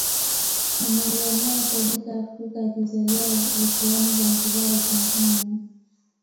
Ni milionea tajika Afrika akizaliwa visiwani Zanzibar Tanzania